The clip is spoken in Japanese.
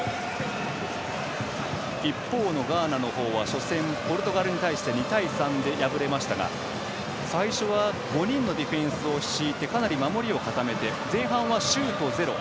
一方のガーナの方は初戦、ポルトガルに対して２対３で敗れましたが最初は５人のディフェンスを敷いてかなり守りを固めて前半はシュートゼロ。